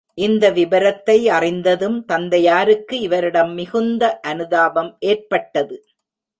இந்த விபரத்தை அறிந்ததும் தந்தையாருக்கு இவரிடம் மிகுந்த அனுதாபம் ஏற்பட்டது.